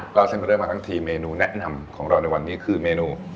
เล่าเส้นเป็นเรื่องมาทั้งทีเมนูแนะนำของเราในวันนี้คือเมนู